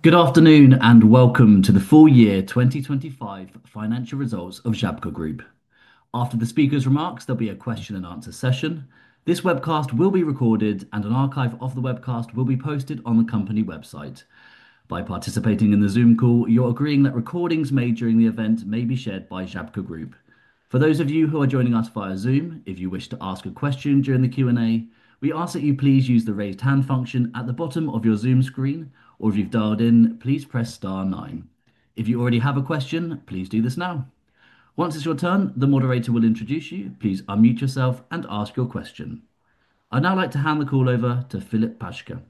Good afternoon, and welcome to the full year 2025 financial results of Żabka Group. After the speakers' remarks, there'll be a question and answer session. This webcast will be recorded and an archive of the webcast will be posted on the company website. By participating in the Zoom call, you're agreeing that recordings made during the event may be shared by Żabka Group. For those of you who are joining us via Zoom, if you wish to ask a question during the Q&A, we ask that you please use the Raise Hand function at the bottom of your Zoom screen, or if you've dialed in, please press star nine. If you already have a question, please do this now. Once it's your turn, the moderator will introduce you. Please unmute yourself and ask your question. I'd now like to hand the call over to Filip Paszke.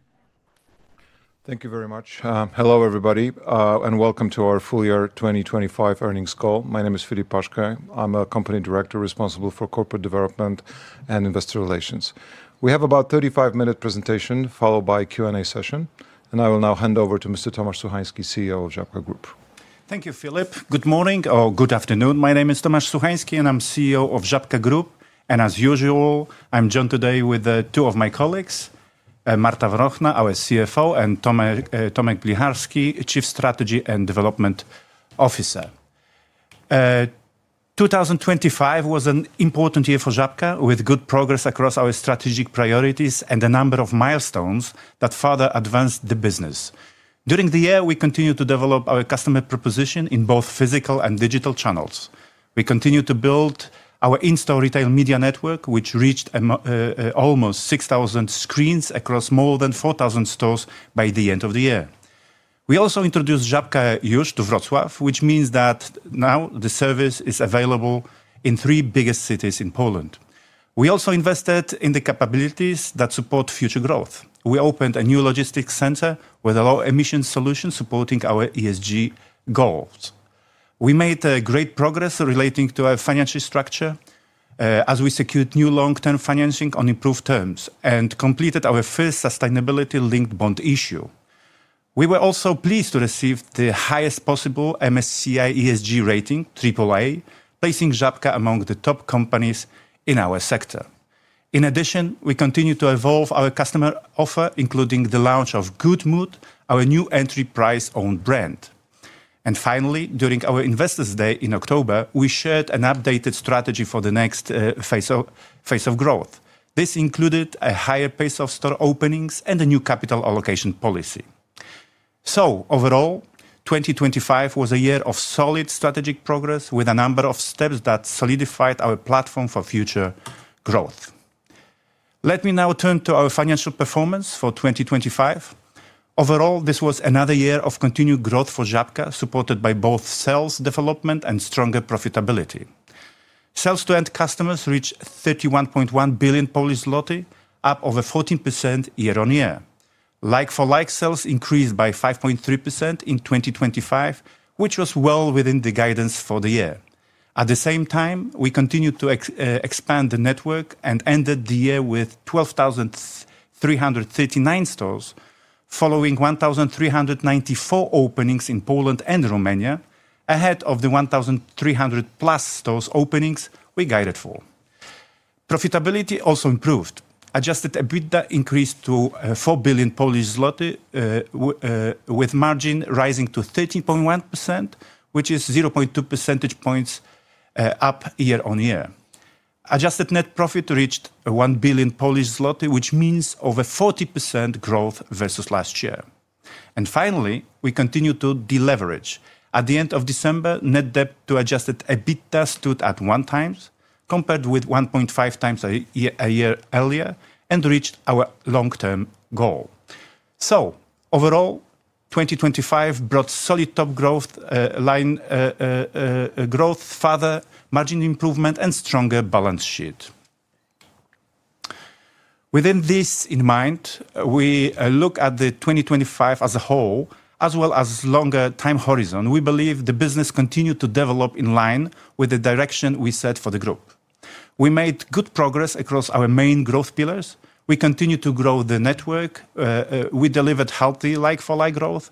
Thank you very much. Hello, everybody, and welcome to our full year 2025 earnings call. My name is Filip Paszke. I'm a company director responsible for corporate development and investor relations. We have about 35-minute presentation followed by Q&A session, and I will now hand over to Mr. Tomasz Suchański, CEO of Żabka Group. Thank you, Filip. Good morning or good afternoon. My name is Tomasz Suchański, and I'm CEO of Żabka Group. As usual, I'm joined today with two of my colleagues, Marta Wrochna-Łastowska, our CFO, and Tomek, Tomek Blicharski, Chief Strategy and Development Officer. 2025 was an important year for Żabka with good progress across our strategic priorities and a number of milestones that further advanced the business. During the year, we continued to develop our customer proposition in both physical and digital channels. We continued to build our in-store retail media network, which reached almost 6,000 screens across more than 4,000 stores by the end of the year. We also introduced Żabka Jush to Wrocław, which means that now the service is available in three biggest cities in Poland. We also invested in the capabilities that support future growth. We opened a new logistics center with a low emission solution supporting our ESG goals. We made great progress relating to our financial structure, as we secured new long-term financing on improved terms and completed our first sustainability linked bond issue. We were also pleased to receive the highest possible MSCI ESG rating, AAA, placing Żabka among the top companies in our sector. In addition, we continued to evolve our customer offer, including the launch of GOOD MOOD, our new entry price own brand. Finally, during our Investors Day in October, we shared an updated strategy for the next phase of growth. This included a higher pace of store openings and a new capital allocation policy. Overall, 2025 was a year of solid strategic progress with a number of steps that solidified our platform for future growth. Let me now turn to our financial performance for 2025. Overall, this was another year of continued growth for Żabka, supported by both sales development and stronger profitability. Sales to end customers reached 31.1 billion Polish zloty, up over 14% year-over-year. Like-for-like sales increased by 5.3% in 2025, which was well within the guidance for the year. At the same time, we continued to expand the network and ended the year with 12,339 stores, following 1,394 openings in Poland and Romania, ahead of the 1,300+ stores openings we guided for. Profitability also improved. Adjusted EBITDA increased to 4 billion Polish zloty, with margin rising to 13.1%, which is 0.2 percentage points up year-on-year. Adjusted net profit reached 1 billion Polish zloty, which means over 40% growth versus last year. Finally, we continued to deleverage. At the end of December, net debt to adjusted EBITDA stood at 1x compared with 1.5x a year earlier and reached our long-term goal. Overall, 2025 brought solid top-line growth, further margin improvement, and stronger balance sheet. With this in mind, we look at 2025 as a whole as well as longer time horizon. We believe the business continued to develop in line with the direction we set for the group. We made good progress across our main growth pillars. We continued to grow the network. We delivered healthy like-for-like growth,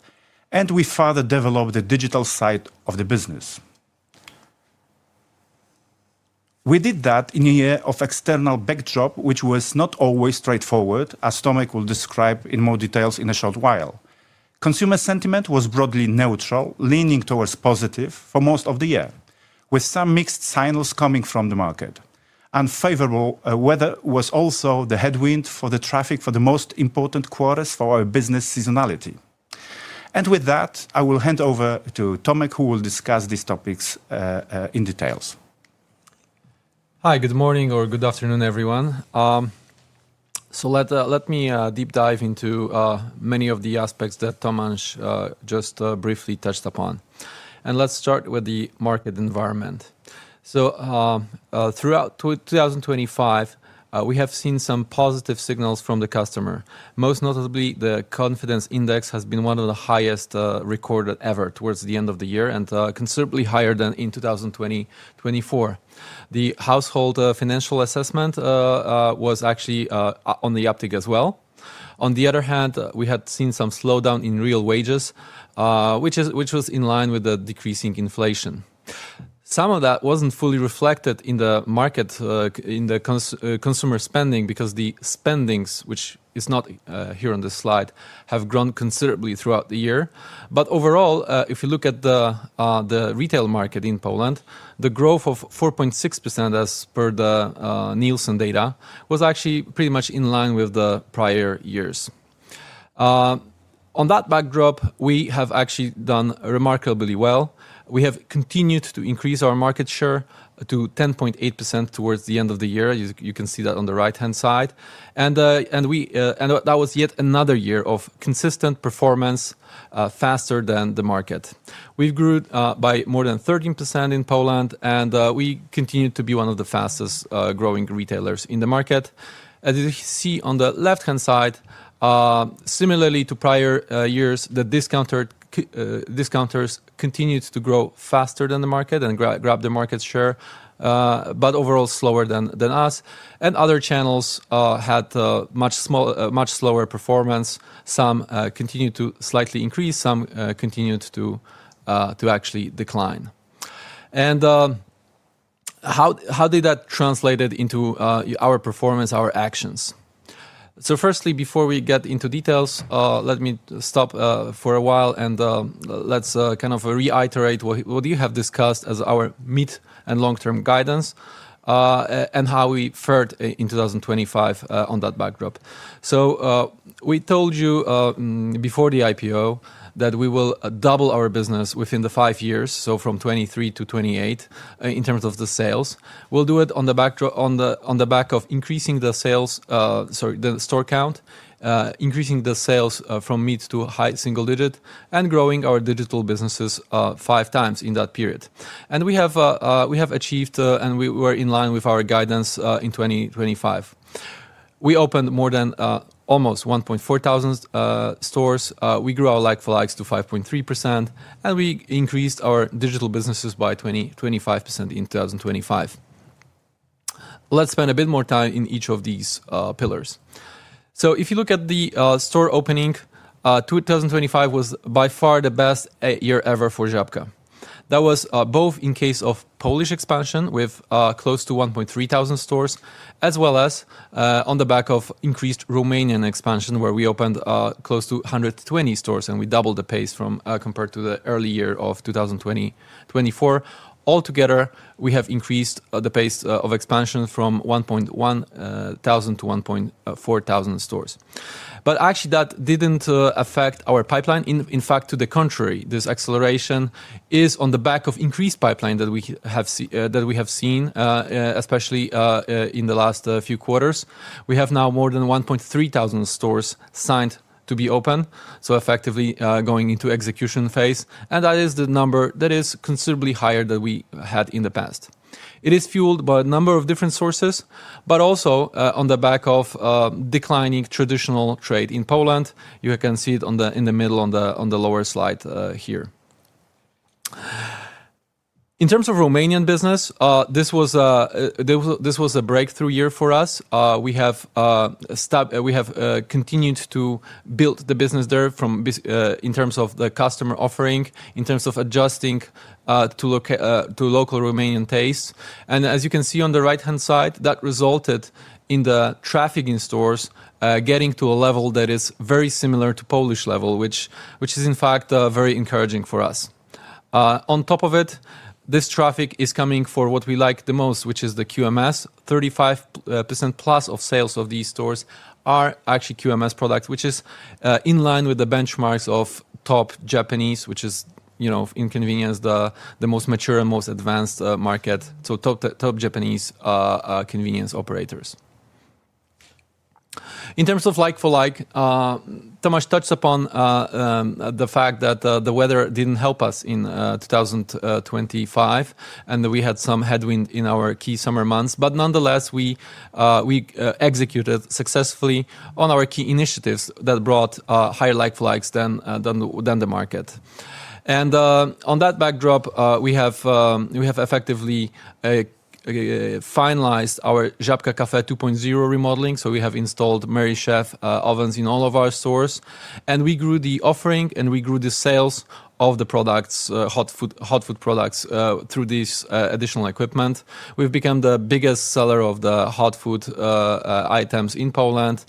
and we further developed the digital side of the business. We did that in a year of external backdrop, which was not always straightforward, as Tomek will describe in more details in a short while. Consumer sentiment was broadly neutral, leaning towards positive for most of the year, with some mixed signals coming from the market. Unfavorable weather was also the headwind for the traffic for the most important quarters for our business seasonality. With that, I will hand over to Tomek, who will discuss these topics in details. Hi. Good morning or good afternoon, everyone. Let me deep dive into many of the aspects that Tomasz just briefly touched upon. Let's start with the market environment. Throughout 2025, we have seen some positive signals from the customer. Most notably, the confidence index has been one of the highest recorded ever towards the end of the year and considerably higher than in 2024. The household financial assessment was actually on the uptick as well. On the other hand, we had seen some slowdown in real wages, which was in line with the decreasing inflation. Some of that wasn't fully reflected in the market in the consumer spending because the spending, which is not here on this slide, have grown considerably throughout the year. Overall, if you look at the retail market in Poland, the growth of 4.6% as per the Nielsen data was actually pretty much in line with the prior years. On that backdrop, we have actually done remarkably well. We have continued to increase our market share to 10.8% towards the end of the year. You can see that on the right-hand side. That was yet another year of consistent performance faster than the market. We've grew by more than 13% in Poland, and we continue to be one of the fastest growing retailers in the market. As you see on the left-hand side, similarly to prior years, the discounters continued to grow faster than the market and grab the market share, but overall slower than us. Other channels had much slower performance. Some continued to slightly increase, some continued to actually decline. How did that translated into our performance, our actions? Firstly, before we get into details, let me stop for a while and let's kind of reiterate what you have discussed as our mid and long-term guidance, and how we fared in 2025, on that backdrop. We told you before the IPO that we will double our business within the 5 years, so from 2023 to 2028 in terms of the sales. We'll do it on the back of increasing the store count, increasing the sales from mid to high single-digit, and growing our digital businesses 5x in that period. We have achieved and we're in line with our guidance in 2025. We opened more than almost 1,400 stores. We grew our like-for-likes to 5.3%, and we increased our digital businesses by 25% in 2025. Let's spend a bit more time in each of these pillars. If you look at the store opening, 2025 was by far the best year ever for Żabka. That was both in case of Polish expansion with close to 1,300 stores, as well as on the back of increased Romanian expansion, where we opened close to 120 stores, and we doubled the pace compared to the prior year of 2024. Altogether, we have increased the pace of expansion from 1,100 to 1,400 stores. Actually, that didn't affect our pipeline. In fact, to the contrary, this acceleration is on the back of increased pipeline that we have seen, especially in the last few quarters. We have now more than 1,300 stores signed to be open, so effectively going into execution phase, and that is the number that is considerably higher than we had in the past. It is fueled by a number of different sources, but also on the back of declining traditional trade in Poland. You can see it in the middle on the lower slide here. In terms of Romanian business, this was a breakthrough year for us. We have continued to build the business there in terms of the customer offering, in terms of adjusting to local Romanian taste. As you can see on the right-hand side, that resulted in the traffic in stores getting to a level that is very similar to Polish level, which is in fact very encouraging for us. On top of it, this traffic is coming for what we like the most, which is the QMS. 35%+ of sales of these stores are actually QMS products, which is in line with the benchmarks of top Japanese, which is, you know, in convenience, the most mature and most advanced market, so top Japanese convenience operators. In terms of like-for-like, Tomasz touched upon the fact that the weather didn't help us in 2025, and that we had some headwind in our key summer months. Nonetheless, we executed successfully on our key initiatives that brought higher like-for-likes than the market. On that backdrop, we have effectively finalized our Żabka Cafe 2.0 remodeling, so we have installed Merrychef ovens in all of our stores. We grew the offering, and we grew the sales of the products, hot food products, through these additional equipment. We've become the biggest seller of the hot food items in Poland.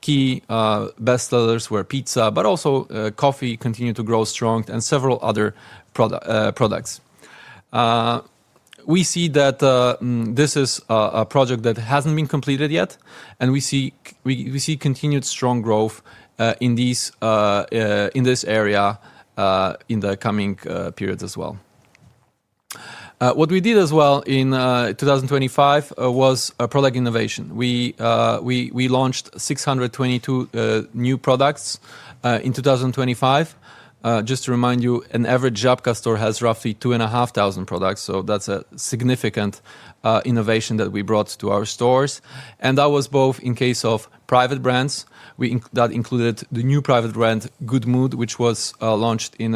Key bestsellers were pizza, but also coffee continued to grow strong and several other products. We see that this is a project that hasn't been completed yet, and we see continued strong growth in this area in the coming periods as well. What we did as well in 2025 was a product innovation. We launched 622 new products in 2025. Just to remind you, an average Żabka store has roughly 2,500 products, so that's a significant innovation that we brought to our stores. That was both in case of private brands. That included the new private brand, GOOD MOOD, which was launched in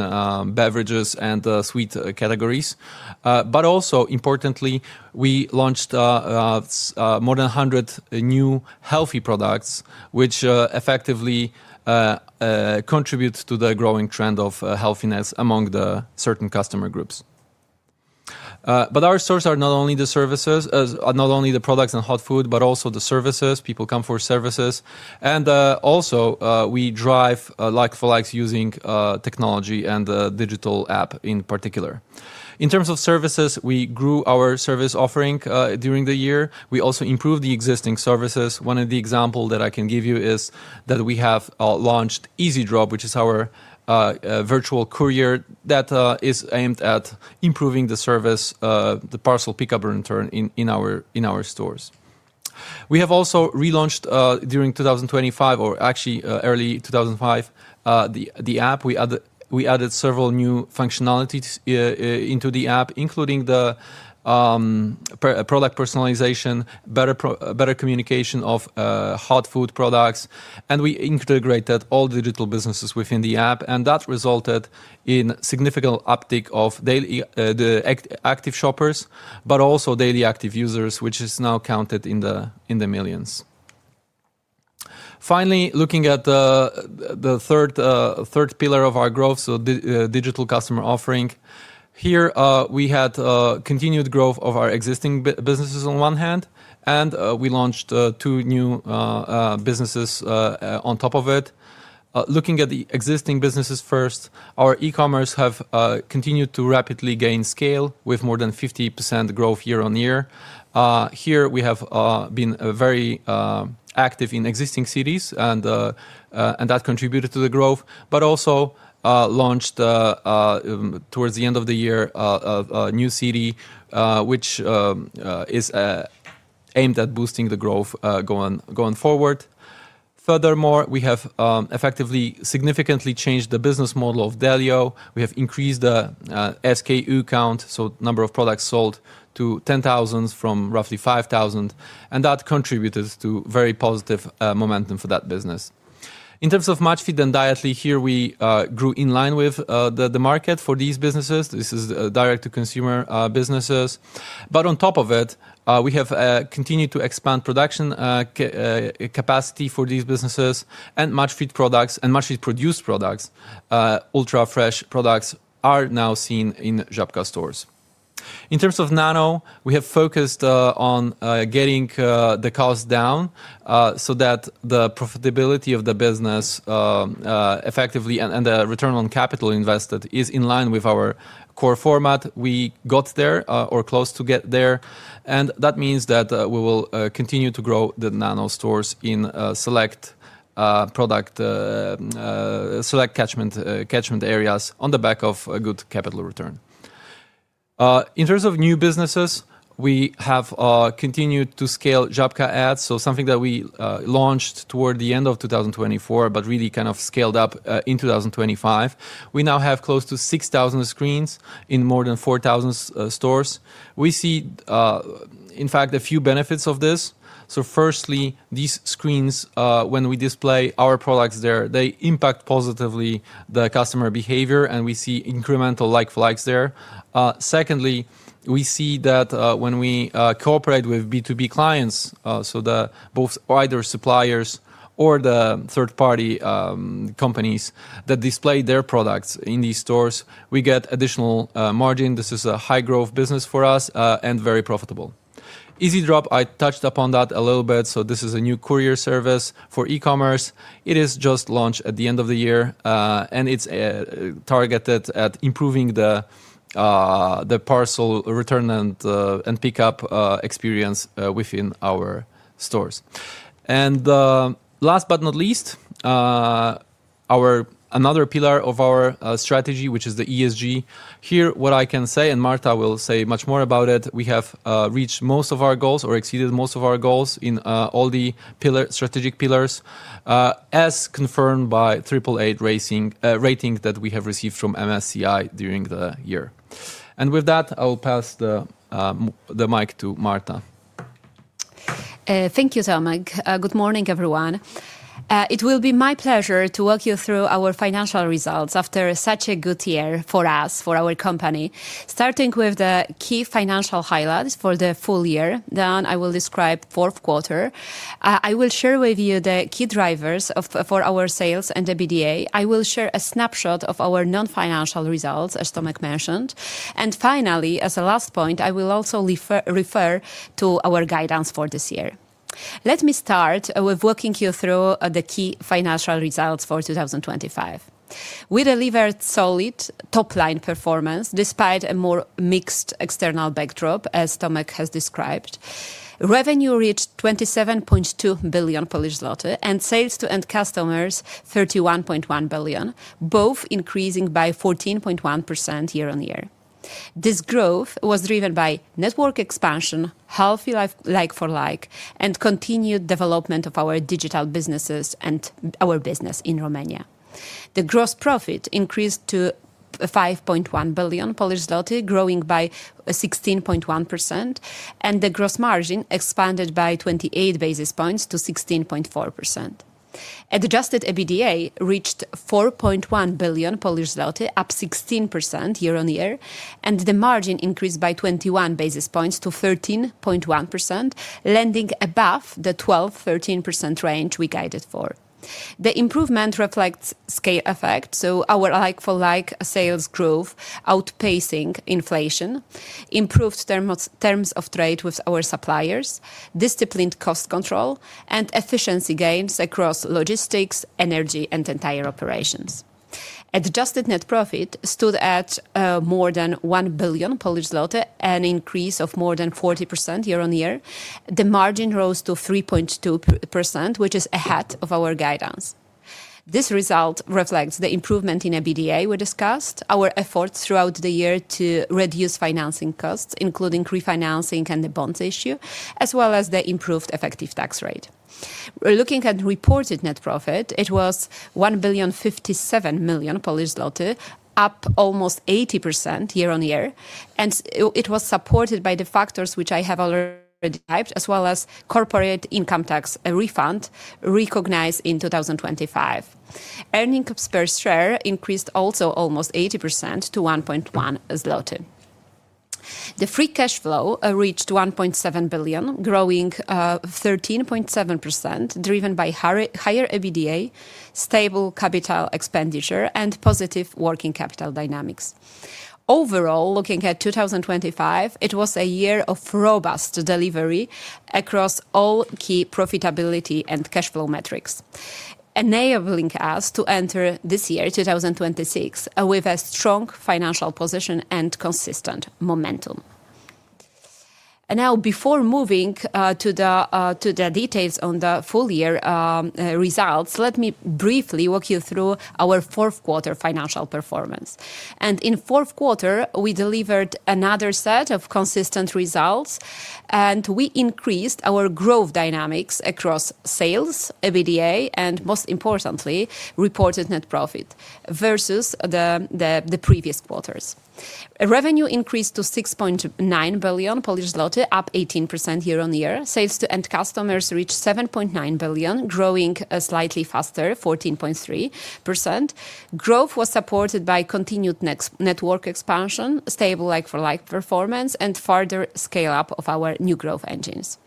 beverages and sweet categories. Also importantly, we launched more than 100 new healthy products, which effectively contributes to the growing trend of healthiness among certain customer groups. Our stores are not only services, not only products and hot food, but also services. People come for services. Also, we drive like-for-like using technology and the digital app in particular. In terms of services, we grew our service offering during the year. We also improved the existing services. One example that I can give you is that we have launched izidrop, which is our virtual courier that is aimed at improving the service, the parcel pickup and return in our stores. We have also relaunched during 2025 or actually early 2005 the app. We added several new functionalities into the app, including the product personalization, better communication of hot food products, and we integrated all digital businesses within the app. That resulted in significant uptick of daily active shoppers, but also daily active users, which is now counted in the millions. Finally, looking at the third pillar of our growth, so digital customer offering. Here we had continued growth of our existing businesses on one hand, and we launched two new businesses on top of it. Looking at the existing businesses first, our e-commerce have continued to rapidly gain scale with more than 50% growth year-on-year. Here we have been very active in existing cities and that contributed to the growth, but also launched towards the end of the year a new city which is aimed at boosting the growth going forward. Furthermore, we have effectively significantly changed the business model of Delio. We have increased the SKU count, so number of products sold to 10,000 from roughly 5,000, and that contributed to very positive momentum for that business. In terms of Maczfit and Dietly, here we grew in line with the market for these businesses. This is direct-to-consumer businesses. On top of it, we have continued to expand production capacity for these businesses and Maczfit products and Maczfit produced products. Ultra-fresh products are now seen in Żabka stores. In terms of Nano, we have focused on getting the cost down so that the profitability of the business effectively and the return on capital invested is in line with our core format. We got there, or close to get there, and that means that we will continue to grow the Nano stores in select catchment areas on the back of a good capital return. In terms of new businesses, we have continued to scale Żabka Ads, so something that we launched toward the end of 2024, but really kind of scaled up in 2025. We now have close to 6,000 screens in more than 4,000 stores. We see in fact a few benefits of this. Firstly, these screens, when we display our products there, they impact positively the customer behavior, and we see incremental like-for-like there. Secondly, we see that when we cooperate with B2B clients, so both either suppliers or the third-party companies that display their products in these stores, we get additional margin. This is a high-growth business for us and very profitable. izidrop, I touched upon that a little bit. This is a new courier service for e-commerce. It is just launched at the end of the year, and it's targeted at improving the parcel return and pickup experience within our stores. Last but not least, another pillar of our strategy, which is the ESG. Here, what I can say, and Marta will say much more about it, we have reached most of our goals or exceeded most of our goals in all the strategic pillars, as confirmed by AAA rating that we have received from MSCI during the year. With that, I will pass the mic to Marta. Thank you, Tomek. Good morning, everyone. It will be my pleasure to walk you through our financial results after such a good year for us, for our company. Starting with the key financial highlights for the full year, then I will describe fourth quarter. I will share with you the key drivers of, for our sales and the EBITDA. I will share a snapshot of our non-financial results, as Tomek mentioned. Finally, as a last point, I will also refer to our guidance for this year. Let me start with walking you through the key financial results for 2025. We delivered solid top-line performance despite a more mixed external backdrop, as Tomek has described. Revenue reached 27.2 billion Polish zloty, and sales to end customers, 31.1 billion, both increasing by 14.1% year-on-year. This growth was driven by network expansion, healthy like-for-like, and continued development of our digital businesses and our business in Romania. The gross profit increased to 5.1 billion Polish zloty, growing by 16.1%, and the gross margin expanded by 28 basis points to 16.4%. Adjusted EBITDA reached PLN 4.1 billion, up 16% year-over-year, and the margin increased by 21 basis points to 13.1%, landing above the 12%-13% range we guided for. The improvement reflects scale effect, so our like-for-like sales growth outpacing inflation, improved terms of trade with our suppliers, disciplined cost control, and efficiency gains across logistics, energy and entire operations. Adjusted net profit stood at more than 1 billion Polish zloty, an increase of more than 40% year-over-year. The margin rose to 3.2%, which is ahead of our guidance. This result reflects the improvement in EBITDA we discussed, our efforts throughout the year to reduce financing costs, including refinancing and the bonds issue, as well as the improved effective tax rate. We're looking at reported net profit. It was 1,057,000,000 Polish zloty, up almost 80% year on year, and it was supported by the factors which I have already cited, as well as corporate income tax, a refund recognized in 2025. Earnings per share increased also almost 80% to 1.1 zloty. The free cash flow reached 1.7 billion, growing 13.7%, driven by higher EBITDA, stable capital expenditure and positive working capital dynamics. Overall, looking at 2025, it was a year of robust delivery across all key profitability and cash flow metrics, enabling us to enter this year, 2026, with a strong financial position and consistent momentum. Now before moving to the details on the full year results, let me briefly walk you through our fourth quarter financial performance. In fourth quarter, we delivered another set of consistent results, and we increased our growth dynamics across sales, EBITDA and, most importantly, reported net profit versus the previous quarters. Revenue increased to 6.9 billion Polish zloty, up 18% year-on-year. Sales to end customers reached 7.9 billion, growing slightly faster, 14.3%. Growth was supported by continued network expansion, stable like-for-like performance and further scale-up of our new growth engines.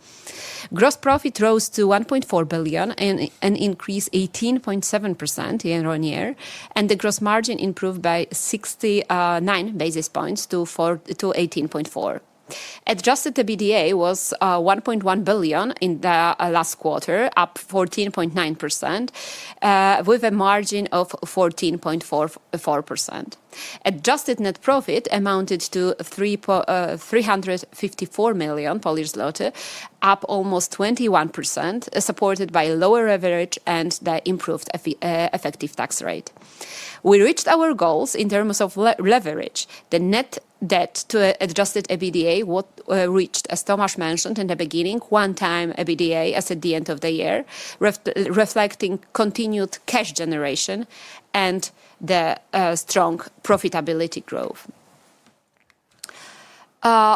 Gross profit rose to 1.4 billion, an increase 18.7% year-on-year, and the gross margin improved by 69 basis points to 18.4%. Adjusted EBITDA was 1.1 billion in the last quarter, up 14.9%, with a margin of 14.4%. Adjusted net profit amounted to 354 million Polish zloty, up almost 21%, supported by lower leverage and the improved effective tax rate. We reached our goals in terms of leverage. The net debt to adjusted EBITDA was reached, as Tomasz mentioned in the beginning, 1x EBITDA as at the end of the year, reflecting continued cash generation and the strong profitability growth.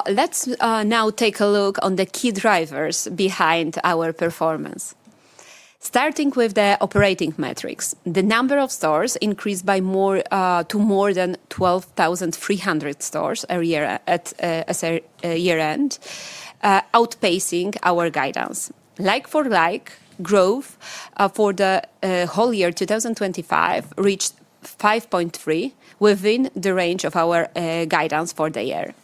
Let's now take a look on the key drivers behind our performance. Starting with the operating metrics. The number of stores increased to more than 12,300 stores as at year-end, outpacing our guidance. Like-for-like growth for the whole year 2025 reached 5.3 within the range of our guidance for the year.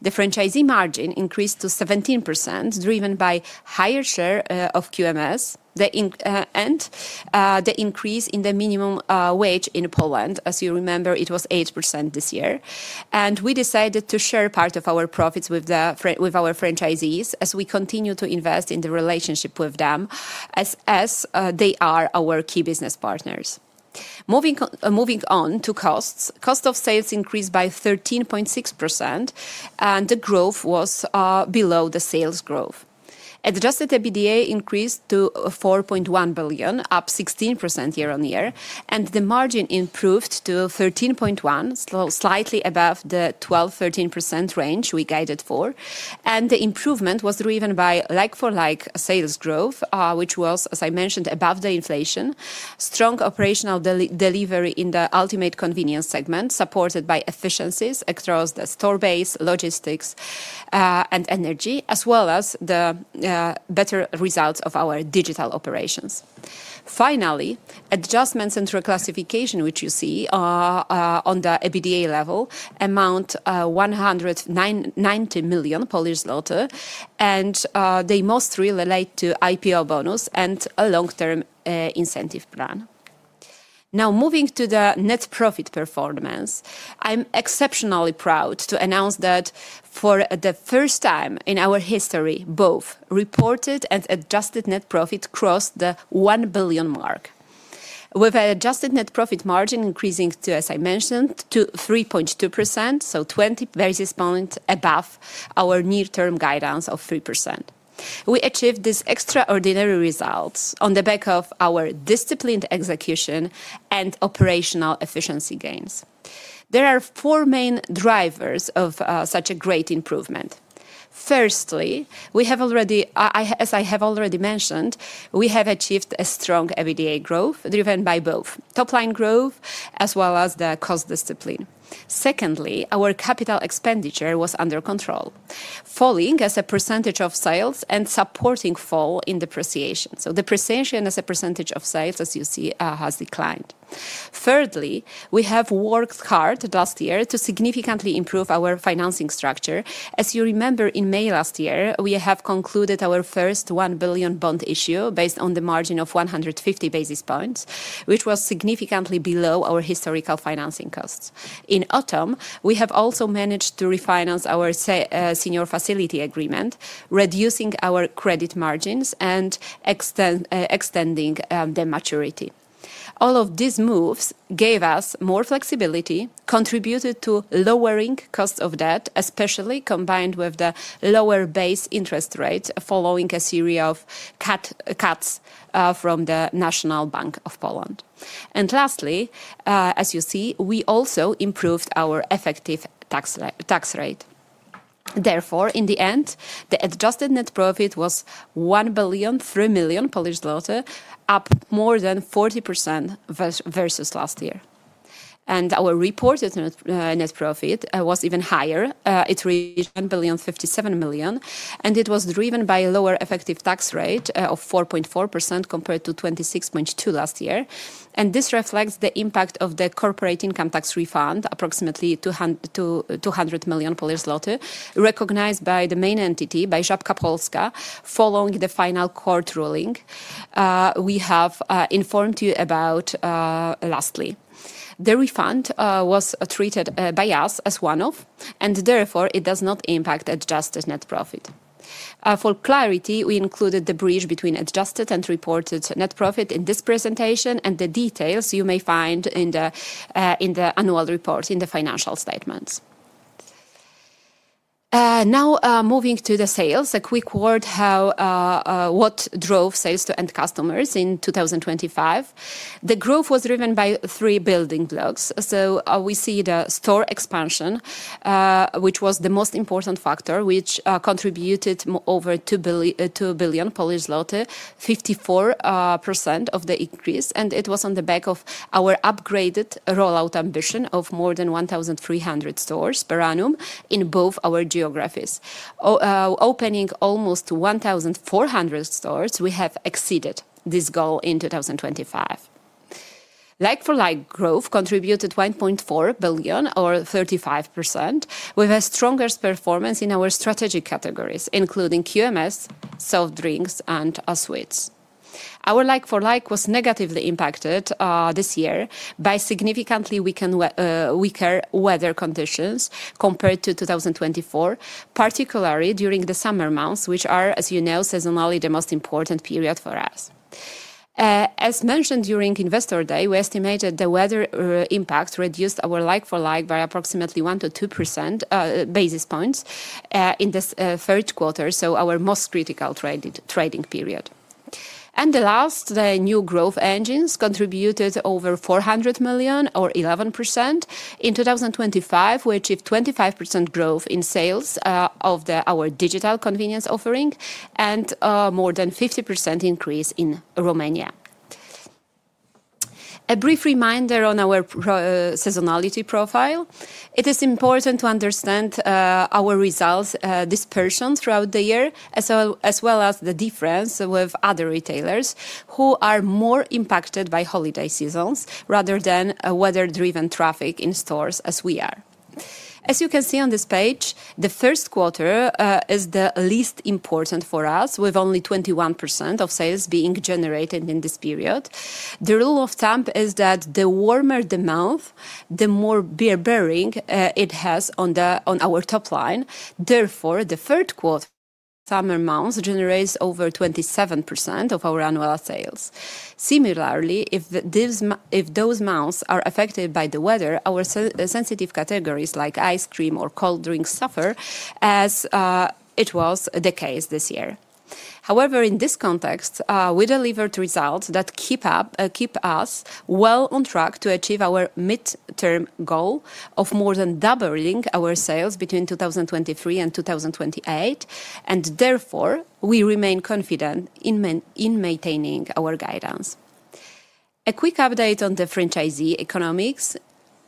The franchisee margin increased to 17%, driven by higher share of QMS and the increase in the minimum wage in Poland. As you remember, it was 8% this year. We decided to share part of our profits with our franchisees as we continue to invest in the relationship with them as they are our key business partners. Moving on to costs. Cost of sales increased by 13.6% and the growth was below the sales growth. Adjusted EBITDA increased to 4.1 billion, up 16% year-on-year, and the margin improved to 13.1%, slightly above the 12%-13% range we guided for. The improvement was driven by like-for-like sales growth, which was, as I mentioned, above the inflation, strong operational delivery in the ultimate convenience segment, supported by efficiencies across the store base, logistics, and energy, as well as the better results of our digital operations. Finally, adjustments and reclassification, which you see, are on the EBITDA level, amount PLN 190 million and they mostly relate to IPO bonus and a long-term incentive plan. Now moving to the net profit performance. I'm exceptionally proud to announce that for the first time in our history, both reported and adjusted net profit crossed the 1 billion mark, with adjusted net profit margin increasing to, as I mentioned, to 3.2%, so 20 basis points above our near-term guidance of 3%. We achieved these extraordinary results on the back of our disciplined execution and operational efficiency gains. There are four main drivers of such a great improvement. Firstly, as I have already mentioned, we have achieved a strong EBITDA growth driven by both top line growth as well as the cost discipline. Secondly, our capital expenditure was under control, falling as a percentage of sales and supporting fall in depreciation. Depreciation as a percentage of sales, as you see, has declined. Thirdly, we have worked hard last year to significantly improve our financing structure. As you remember, in May last year, we have concluded our first 1 billion bond issue based on the margin of 150 basis points, which was significantly below our historical financing costs. In autumn, we have also managed to refinance our senior facility agreement, reducing our credit margins and extending the maturity. All of these moves gave us more flexibility, contributed to lowering cost of debt, especially combined with the lower base interest rates following a series of cuts from the National Bank of Poland. Lastly, as you see, we also improved our effective tax rate. Therefore, in the end, the adjusted net profit was 1,003,000,000 Polish zloty, up more than 40% versus last year. Our reported net profit was even higher. It reached 1,057,000,000, and it was driven by a lower effective tax rate of 4.4% compared to 26.2% last year. This reflects the impact of the corporate income tax refund, approximately 200 million Polish zloty, recognized by the main entity, by Żabka Polska, following the final court ruling we have informed you about lastly. The refund was treated by us as one-off, and therefore it does not impact adjusted net profit. For clarity, we included the bridge between adjusted and reported net profit in this presentation, and the details you may find in the annual report, in the financial statements. Now, moving to the sales. A quick word how what drove sales to end customers in 2025. The growth was driven by three building blocks. We see the store expansion, which was the most important factor, which contributed over 2 billion Polish zloty, 54% of the increase. It was on the back of our upgraded rollout ambition of more than 1,300 stores per annum in both our geographies. Opening almost 1,400 stores, we have exceeded this goal in 2025. Like-for-like growth contributed 1.4 billion or 35%, with a stronger performance in our strategic categories, including QMS, soft drinks, and sweets. Our like-for-like was negatively impacted this year by significantly weaker weather conditions compared to 2024, particularly during the summer months, which are, as you know, seasonally the most important period for us. As mentioned during Investor Day, we estimated the weather impact reduced our like-for-like by approximately 1%-2% basis points in this third quarter, so our most critical trading period. The new growth engines contributed over 400 million or 11%. In 2025, we achieved 25% growth in sales of our digital convenience offering and more than 50% increase in Romania. A brief reminder on our seasonality profile. It is important to understand our results dispersion throughout the year, as well as the difference with other retailers who are more impacted by holiday seasons rather than a weather-driven traffic in stores as we are. As you can see on this page, the first quarter is the least important for us, with only 21% of sales being generated in this period. The rule of thumb is that the warmer the month, the more bearing it has on our top line. Therefore, the third quarter summer months generates over 27% of our annual sales. Similarly, if those months are affected by the weather, our sensitive categories, like ice cream or cold drinks, suffer, as it was the case this year. However, in this context, we delivered results that keep us well on track to achieve our midterm goal of more than doubling our sales between 2023 and 2028, and therefore we remain confident in maintaining our guidance. A quick update on the franchisee economics.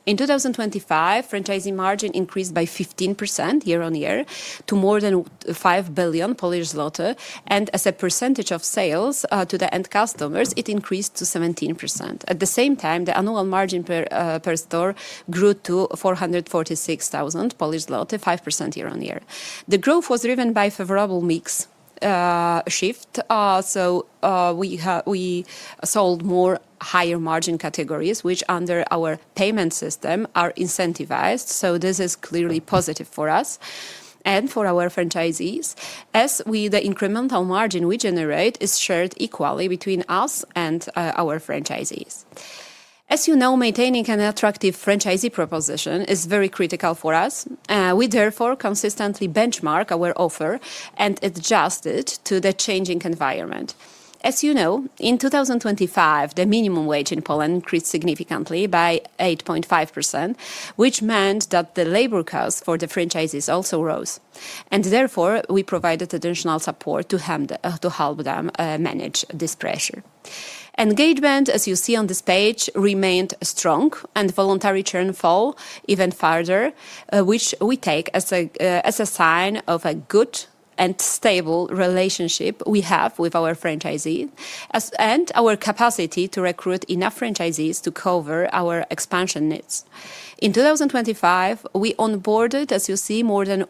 In 2025, franchisee margin increased by 15% year-on-year to more than 5 billion Polish zloty, and as a percentage of sales to the end customers, it increased to 17%. At the same time, the annual margin per store grew to 446,000 Polish zloty, 5% year-on-year. The growth was driven by favorable mix shift. We sold more higher margin categories, which under our payment system are incentivized, so this is clearly positive for us and for our franchisees, as the incremental margin we generate is shared equally between us and our franchisees. As you know, maintaining an attractive franchisee proposition is very critical for us. We therefore consistently benchmark our offer and adjust it to the changing environment. As you know, in 2025, the minimum wage in Poland increased significantly by 8.5%, which meant that the labor cost for the franchisees also rose. Therefore, we provided additional support to help them manage this pressure. Engagement, as you see on this page, remained strong and voluntary churn fall even further, which we take as a sign of a good and stable relationship we have with our franchisee. Our capacity to recruit enough franchisees to cover our expansion needs. In 2025, we onboarded, as you see, more than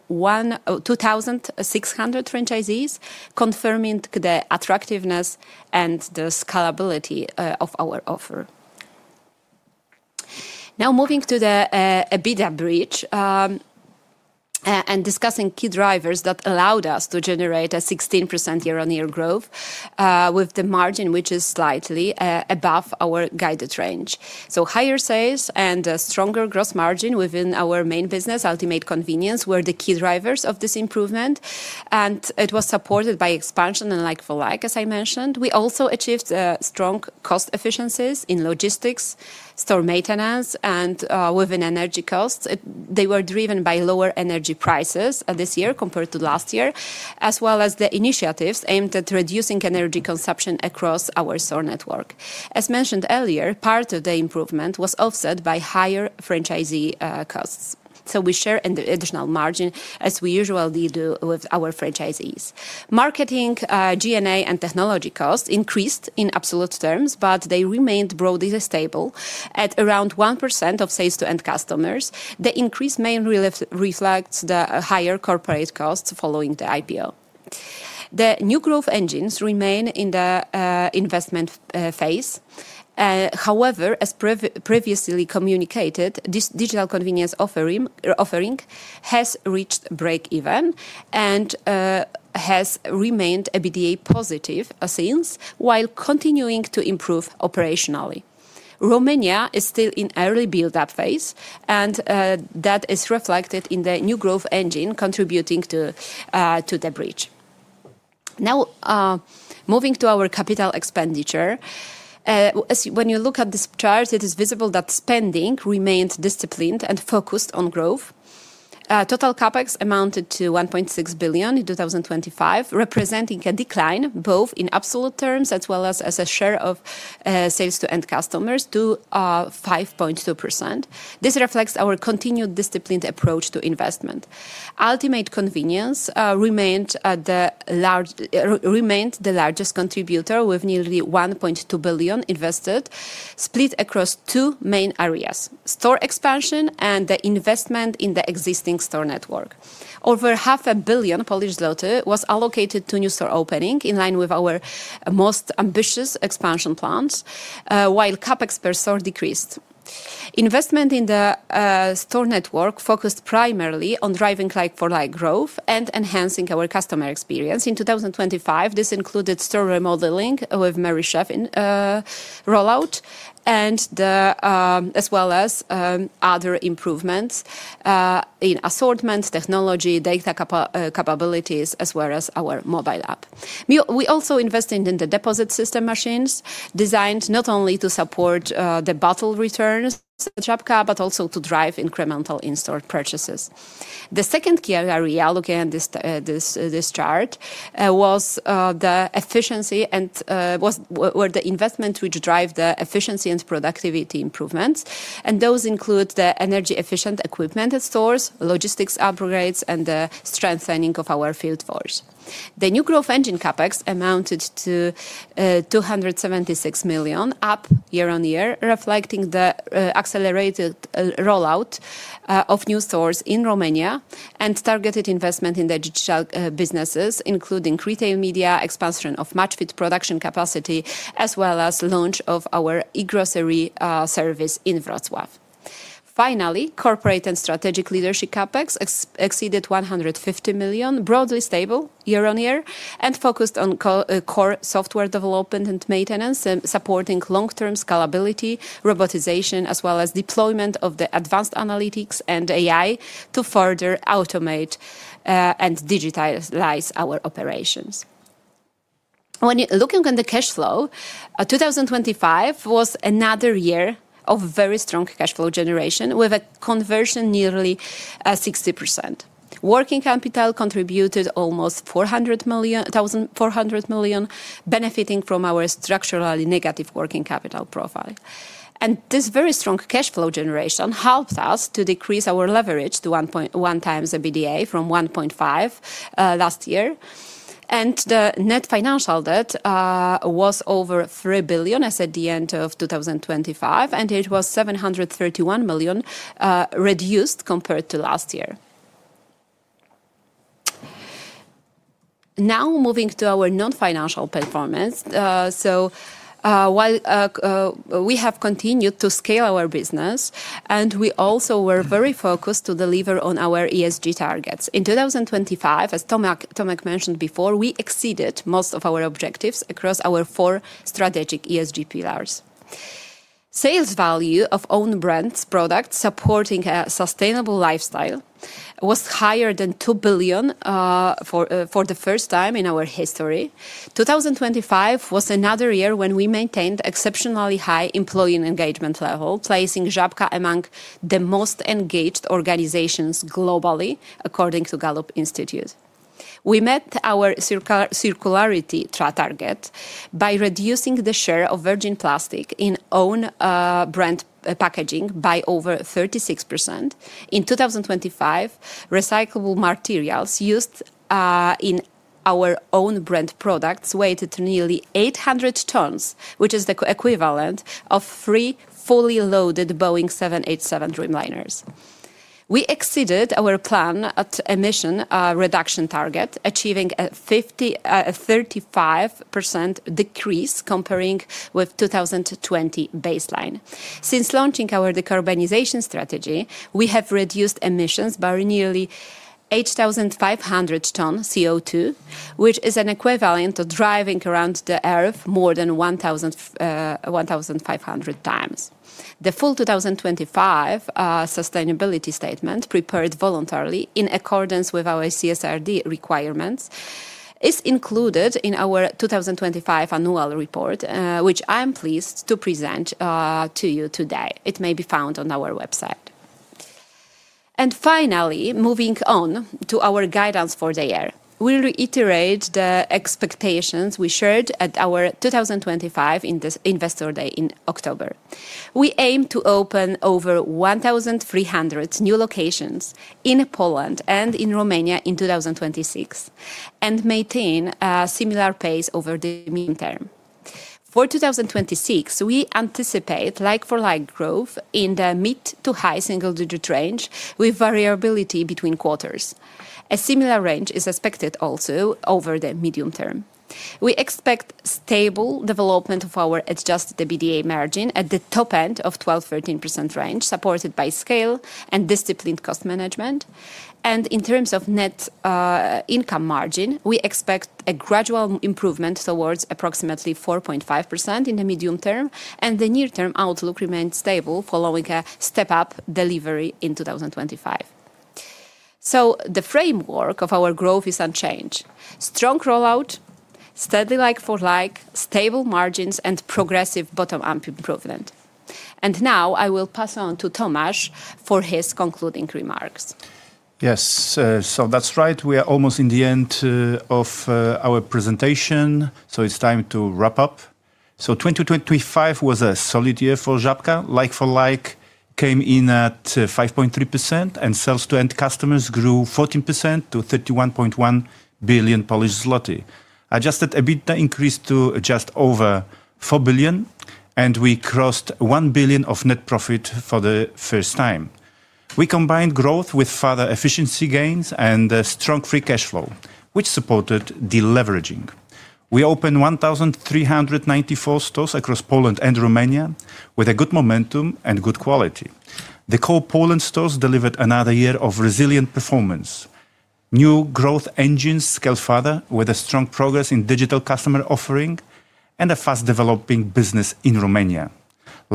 2,600 franchisees, confirming the attractiveness and the scalability of our offer. Now, moving to the EBITDA bridge and discussing key drivers that allowed us to generate a 16% year-on-year growth with the margin, which is slightly above our guided range. Higher sales and a stronger gross margin within our main business, Ultimate Convenience, were the key drivers of this improvement, and it was supported by expansion and like-for-like, as I mentioned. We also achieved strong cost efficiencies in logistics, store maintenance and within energy costs. They were driven by lower energy prices this year compared to last year, as well as the initiatives aimed at reducing energy consumption across our store network. As mentioned earlier, part of the improvement was offset by higher franchisee costs. We share in the additional margin, as we usually do with our franchisees. Marketing, G&A, and technology costs increased in absolute terms, but they remained broadly stable at around 1% of sales to end customers. The increase mainly reflects the higher corporate costs following the IPO. The new growth engines remain in the investment phase. However, as previously communicated, this digital convenience offering has reached break-even and has remained EBITDA positive since, while continuing to improve operationally. Romania is still in early build-up phase, and that is reflected in the new growth engine contributing to the bridge. Now, moving to our capital expenditure. When you look at this chart, it is visible that spending remains disciplined and focused on growth. Total CapEx amounted to 1.6 billion in 2025, representing a decline both in absolute terms as well as a share of sales to end customers to 5.2%. This reflects our continued disciplined approach to investment. Ultimate convenience remained the largest contributor, with nearly 1.2 billion invested, split across two main areas, store expansion and the investment in the existing store network. Over 500,000,000 Polish zloty was allocated to new store opening, in line with our most ambitious expansion plans, while CapEx per store decreased. Investment in the store network focused primarily on driving like-for-like growth and enhancing our customer experience. In 2025, this included store remodeling with Merrychef in-store rollout as well as other improvements in assortments, technology, data capabilities, as well as our mobile app. We also invested in the deposit system machines designed not only to support the bottle returns at Żabka, but also to drive incremental in-store purchases. The second key area we allocate in this chart were the investments which drive the efficiency and productivity improvements. Those include the energy-efficient equipment at stores, logistics upgrades, and the strengthening of our field force. The new growth engine CapEx amounted to 276 million, up year-on-year, reflecting the accelerated rollout of new stores in Romania and targeted investment in the digital businesses, including retail media, expansion of Maczfit production capacity, as well as launch of our eGrocery service in Wrocław. Finally, corporate and strategic leadership CapEx exceeded 150 million, broadly stable year-on-year, and focused on core software development and maintenance and supporting long-term scalability, robotization, as well as deployment of the advanced analytics and AI to further automate and digitize our operations. Looking at the cash flow, 2025 was another year of very strong cash flow generation with a conversion nearly at 60%. Working capital contributed almost 400 million, benefiting from our structurally negative working capital profile. This very strong cash flow generation helps us to decrease our leverage to 1x EBITDA from 1.5x last year. The net financial debt was over 3 billion as at the end of 2025, and it was 731 million reduced compared to last year. Now, moving to our non-financial performance. We have continued to scale our business and we also were very focused to deliver on our ESG targets. In 2025, as Tomek mentioned before, we exceeded most of our objectives across our four strategic ESG pillars. Sales value of own brands, products supporting a sustainable lifestyle was higher than 2 billion for the first time in our history. 2025 was another year when we maintained exceptionally high employee engagement level, placing Żabka among the most engaged organizations globally according to Gallup Institute. We met our circularity target by reducing the share of virgin plastic in own brand packaging by over 36%. In 2025, recyclable materials used in our own brand products weighed to nearly 800 tons, which is the equivalent of three fully loaded Boeing 787 Dreamliners. We exceeded our planned emission reduction target, achieving a 35% decrease comparing with 2020 baseline. Since launching our decarbonization strategy, we have reduced emissions by nearly 8,500 tons CO2, which is an equivalent to driving around the Earth more than 1,500x. The full 2025 sustainability statement prepared voluntarily in accordance with our CSRD requirements is included in our 2025 annual report, which I am pleased to present to you today. It may be found on our website. Finally, moving on to our guidance for the year. We'll reiterate the expectations we shared at our 2025 Investor Day in October. We aim to open over 1,300 new locations in Poland and in Romania in 2026 and maintain a similar pace over the midterm. For 2026, we anticipate like-for-like growth in the mid to high single-digit range with variability between quarters. A similar range is expected also over the medium term. We expect stable development of our Adjusted EBITDA margin at the top end of 12%-13% range, supported by scale and disciplined cost management. In terms of net income margin, we expect a gradual improvement towards approximately 4.5% in the medium term, and the near term outlook remains stable following a step up delivery in 2025. The framework of our growth is unchanged. Strong rollout, steady like-for-like, stable margins, and progressive bottom-up improvement. Now I will pass on to Tomasz for his concluding remarks. Yes, that's right. We are almost at the end of our presentation,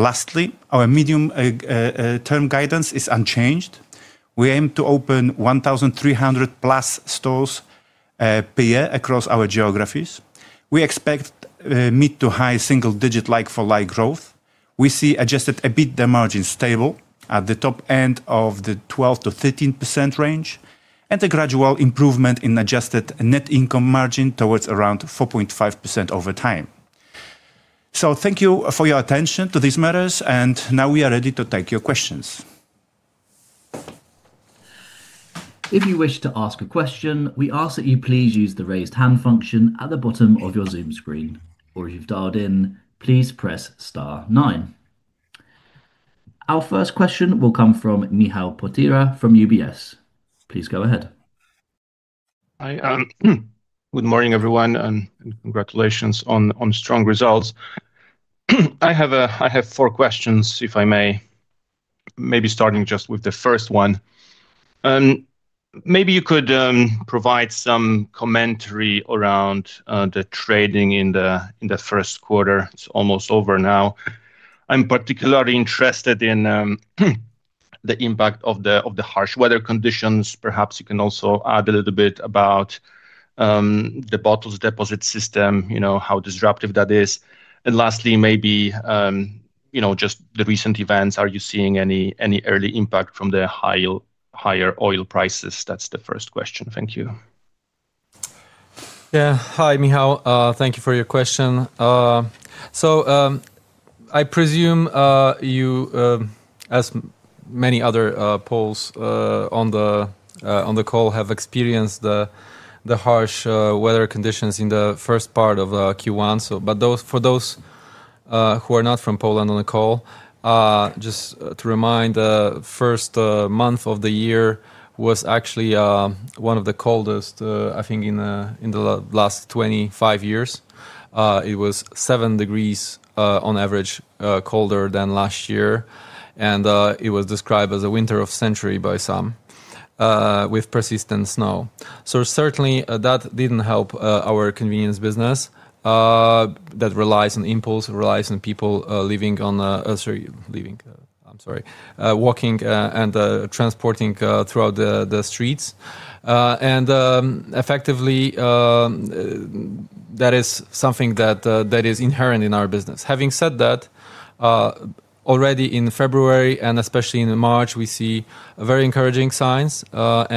Good morning, everyone, and congratulations on strong results. I have four questions, if I may. Maybe starting just with the first one. Maybe you could provide some commentary around the trading in the first quarter. It's almost over now. I'm particularly interested in the impact of the harsh weather conditions. Perhaps you can also add a little bit about the bottle deposit system, you know, how disruptive that is. Lastly, maybe, you know, just the recent events, are you seeing any early impact from higher oil prices? That's the first question. Thank you. Yeah. Hi, Michał. Thank you for your question. I presume you, as many other Poles on the call have experienced the harsh weather conditions in the first part of Q1, but for those who are not from Poland on the call, just to remind, first month of the year was actually one of the coldest I think in the last 25 years. It was 7 degrees on average colder than last year, and it was described as a winter of the century by some. With persistent snow. Certainly, that didn't help our convenience business that relies on impulse, relies on people walking and transporting throughout the streets. Effectively, that is something that is inherent in our business. Having said that, already in February and especially in March, we see very encouraging signs from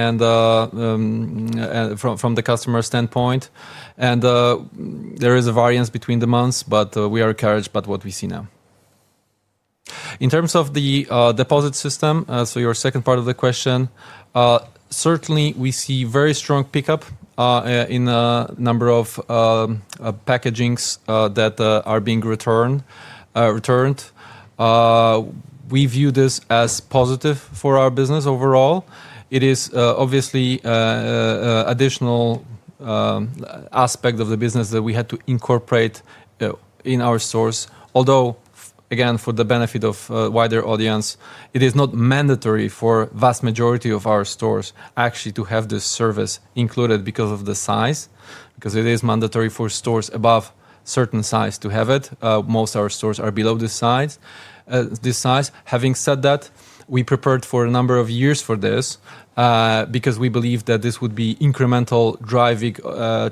the customer standpoint, and there is a variance between the months, but we are encouraged by what we see now. In terms of the deposit system, your second part of the question. Certainly, we see very strong pickup in the number of packagings that are being returned. We view this as positive for our business overall. It is, obviously, additional aspect of the business that we had to incorporate in our stores. Although, again, for the benefit of a wider audience, it is not mandatory for vast majority of our stores actually to have this service included because of the size. Because it is mandatory for stores above certain size to have it. Most of our stores are below this size. Having said that, we prepared for a number of years for this, because we believe that this would be incremental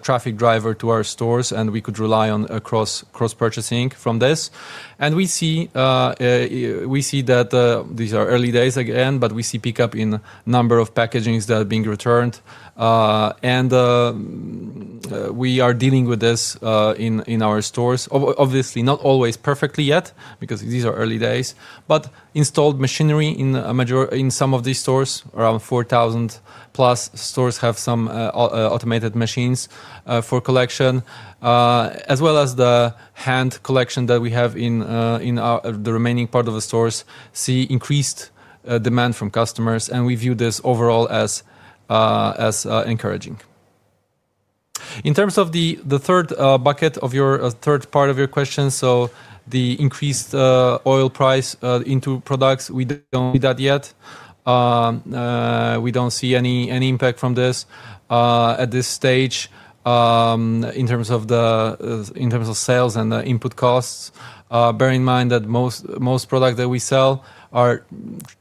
traffic driver to our stores, and we could rely on cross-purchasing from this. We see that these are early days again, but we see pickup in number of packages that are being returned. We are dealing with this in our stores. Obviously, not always perfectly yet because these are early days. Installed machinery in some of these stores, around 4,000+ stores have some automated machines for collection, as well as the hand collection that we have in the remaining part of the stores see increased demand from customers, and we view this overall as encouraging. In terms of the third bucket of your question, the increased oil price into products, we don't see that yet. We don't see any impact from this at this stage in terms of sales and the input costs. Bear in mind that most product that we sell are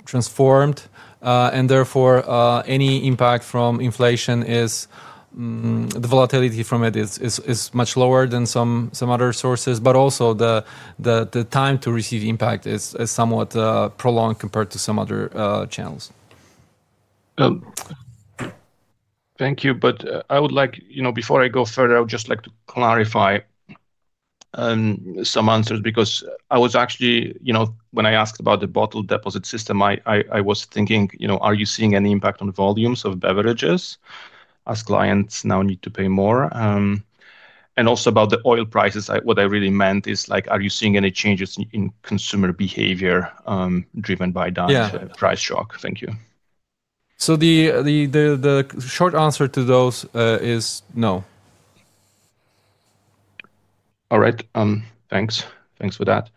transformed and therefore any impact from inflation, the volatility from it is much lower than some other sources. Also the time to receive impact is somewhat prolonged compared to some other channels. Thank you. I would like you know, before I go further, I would just like to clarify some answers because I was actually you know, when I asked about the bottle deposit system, I was thinking you know, are you seeing any impact on volumes of beverages as clients now need to pay more? Also about the oil prices, what I really meant is like, are you seeing any changes in consumer behavior driven by that? Yeah. Price shock? Thank you. The short answer to those is no. All right. Thanks. Thanks for that.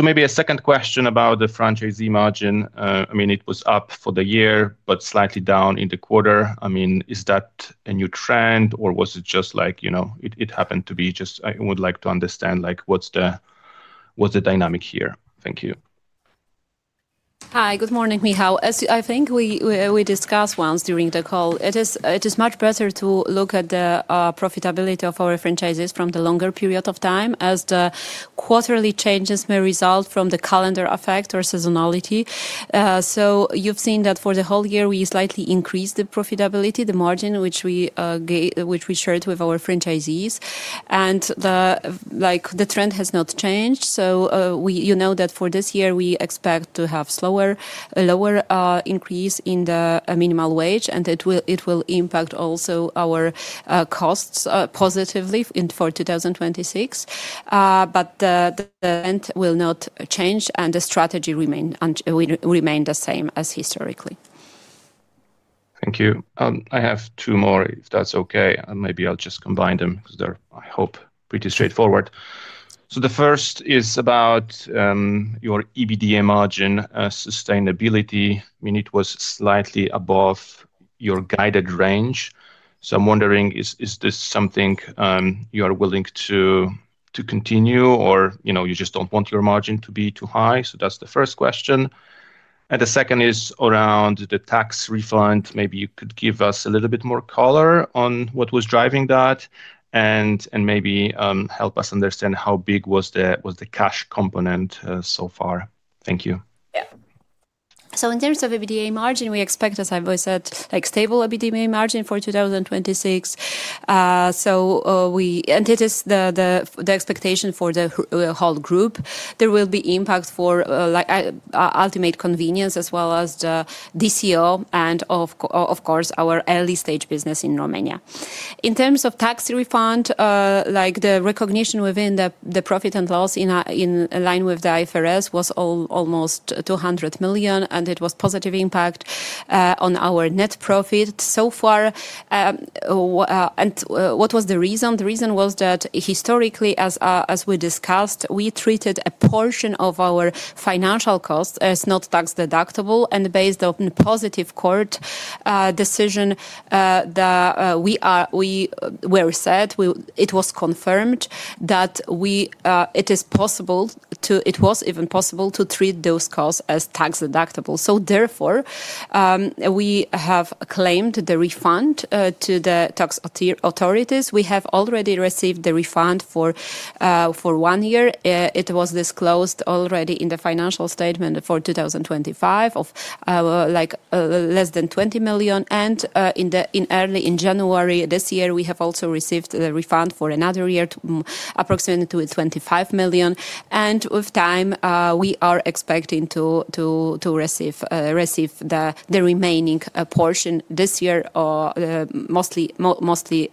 Maybe a second question about the franchisee margin. I mean, it was up for the year, but slightly down in the quarter. I mean, is that a new trend, or was it just like, you know, it happened to be? I would like to understand, like, what's the dynamic here? Thank you. Hi. Good morning, Michał. As I think we discussed once during the call, it is much better to look at the profitability of our franchises from the longer period of time, as the quarterly changes may result from the calendar effect or seasonality. You've seen that for the whole year we slightly increased the profitability, the margin which we shared with our franchisees. Like, the trend has not changed. We, you know that for this year we expect to have slower, lower increase in the minimum wage, and it will impact also our costs positively for 2026. But the trend will not change, and the strategy will remain the same as historically. Thank you. I have two more, if that's okay. Maybe I'll just combine them because they're, I hope, pretty straightforward. The first is about your EBITDA margin sustainability. I mean, it was slightly above your guided range. I'm wondering, is this something you are willing to continue or, you know, you just don't want your margin to be too high? That's the first question. The second is around the tax refund. Maybe you could give us a little bit more color on what was driving that and maybe help us understand how big was the cash component so far. Thank you. In terms of EBITDA margin, we expect, as I've always said, like stable EBITDA margin for 2026. It is the expectation for the whole group. There will be impact for ultimate convenience as well as the DCO and of course, our early-stage business in Romania. In terms of tax refund, like the recognition within the profit and loss in line with the IFRS was almost 200 million, and it was positive impact on our net profit so far. What was the reason? The reason was that historically, as we discussed, we treated a portion of our financial costs as not tax-deductible, and based on positive court decision, we are... It was confirmed that it is possible to treat those costs as tax-deductible. Therefore, we have claimed the refund to the tax authorities. We have already received the refund for one year. It was disclosed already in the financial statement for 2025 of like less than 20 million. In early January this year, we have also received the refund for another year to approximately 25 million. With time, we are expecting to receive the remaining portion this year or mostly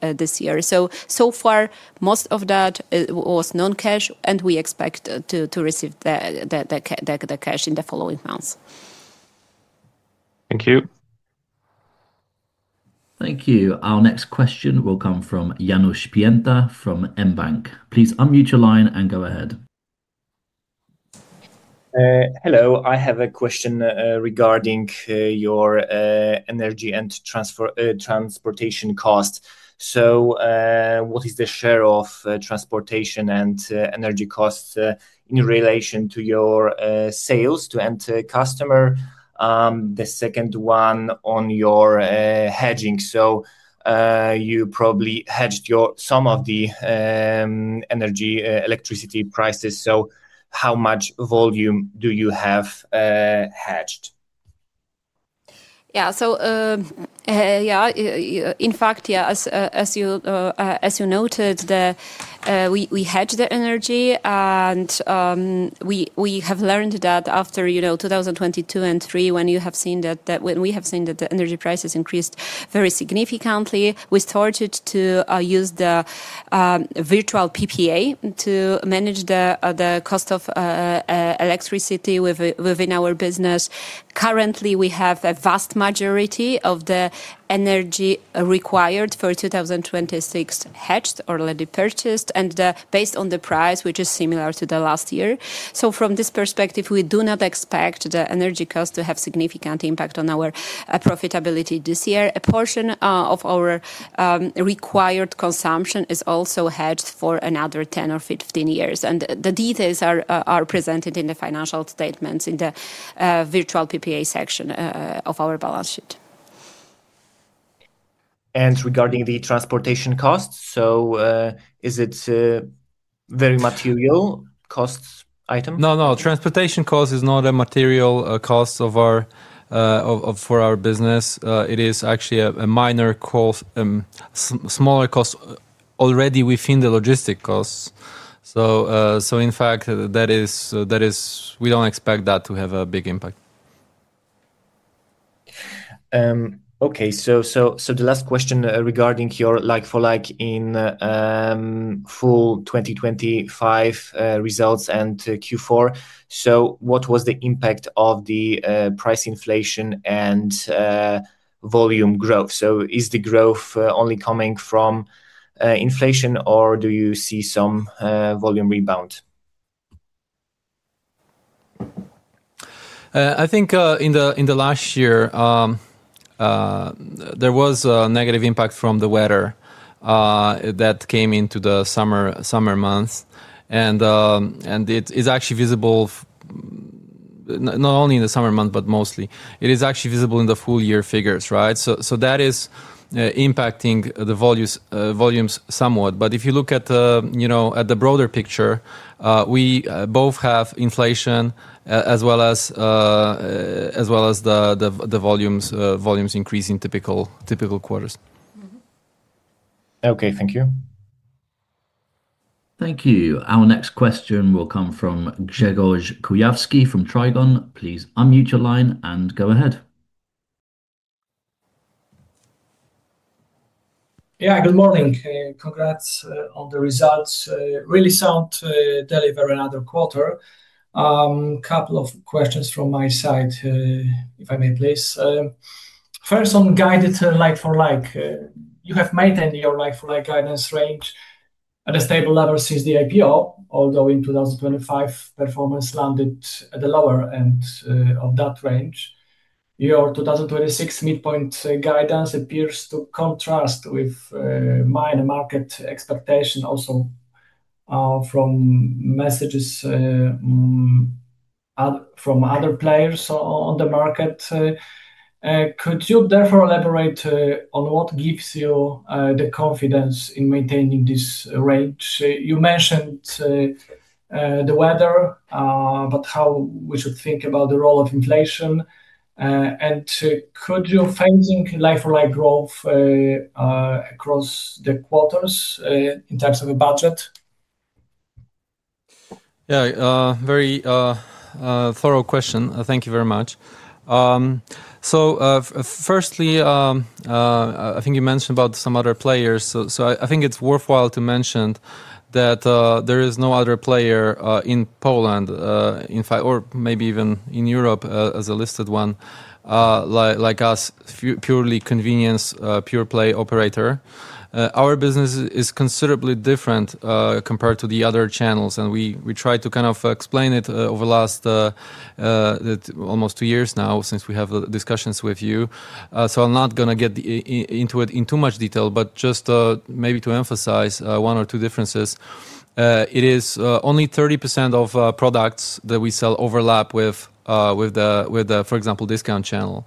this year. So far, most of that was non-cash, and we expect to receive the cash in the following months. Thank you. Thank you. Our next question will come from Janusz Pięta from mBank. Please unmute your line and go ahead. Hello. I have a question regarding your energy and transportation costs. What is the share of transportation and energy costs in relation to your sales to end customer? The second one on your hedging. You probably hedged some of the energy electricity prices. How much volume do you have hedged? In fact, as you noted, we hedge the energy and we have learned that after, you know, 2022 and 2023, when we have seen that the energy prices increased very significantly, we started to use the virtual PPA to manage the cost of electricity within our business. Currently, we have a vast majority of the energy required for 2026 hedged or already purchased, and based on the price, which is similar to the last year. From this perspective, we do not expect the energy cost to have significant impact on our profitability this year. A portion of our required consumption is also hedged for another 10 or 15 years, and the details are presented in the financial statements in the virtual PPA section of our balance sheet. Regarding the transportation costs, is it very material cost item? No, no. Transportation cost is not a material cost for our business. It is actually a minor cost, smaller cost already within the logistics costs. In fact, we don't expect that to have a big impact. Okay. The last question regarding your like-for-like in full 2025 results and Q4. What was the impact of the price inflation and volume growth? Is the growth only coming from inflation, or do you see some volume rebound? I think in the last year there was a negative impact from the weather that came into the summer months. It is actually visible not only in the summer months, but mostly. It is actually visible in the full year figures, right? That is impacting the volumes somewhat. If you look at the broader picture, you know, we both have inflation as well as the volumes increase in typical quarters. Mm-hmm. Okay, thank you. Thank you. Our next question will come from Grzegorz Kujawski from Trigon. Please unmute your line and go ahead. Yeah, good morning. Congrats on the results. Really sound, deliver another quarter. Couple of questions from my side, if I may please. First on guidance like-for-like. You have maintained your like-for-like guidance range at a stable level since the IPO, although in 2025, performance landed at the lower end of that range. Your 2026 midpoint guidance appears to contrast with minor market expectation also. Metrics from other players on the market. Could you therefore elaborate on what gives you the confidence in maintaining this range? You mentioned the weather, but how should we think about the role of inflation? Could you forecast like-for-like growth across the quarters in terms of a budget? Yeah. Very thorough question. Thank you very much. Firstly, I think you mentioned about some other players. So I think it's worthwhile to mention that there is no other player in Poland, in fact, or maybe even in Europe, as a listed one, like us purely convenience pure play operator. Our business is considerably different compared to the other channels, and we try to kind of explain it over the last almost two years now since we have the discussions with you. So I'm not gonna get into it in too much detail, but just maybe to emphasize one or two differences. It is only 30% of products that we sell overlap with the, for example, discount channel.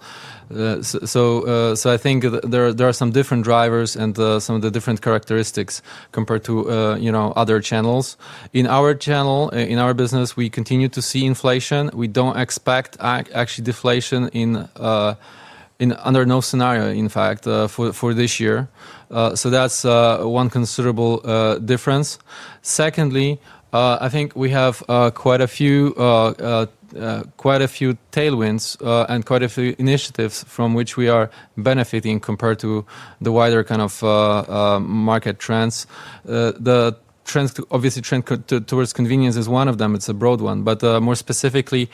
I think there are some different drivers and some of the different characteristics compared to, you know, other channels. In our channel, in our business, we continue to see inflation. We don't expect actually deflation in under no scenario, in fact, for this year. That's one considerable difference. Secondly, I think we have quite a few tailwinds and quite a few initiatives from which we are benefiting compared to the wider kind of market trends. The trends, obviously, toward convenience is one of them. It's a broad one. More specifically,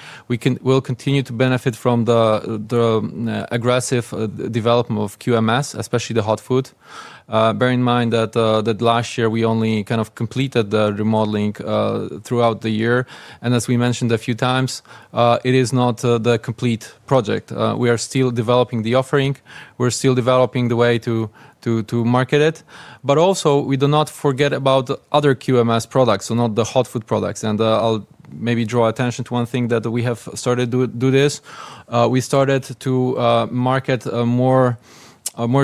we'll continue to benefit from the aggressive development of QMS, especially the hot food. Bear in mind that last year we only kind of completed the remodeling throughout the year. As we mentioned a few times, it is not the complete project. We are still developing the offering. We're still developing the way to market it. Also we do not forget about other QMS products, so not the hot food products. I'll maybe draw attention to one thing that we have started to do this. We started to market more